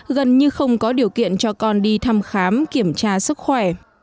gần như không có điều kiện cho con đi thăm khám kiểm tra sức khỏe